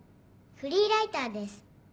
フリーライターです。